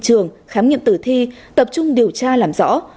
trường khám nghiệm tử thi tập trung điều tra làm rõ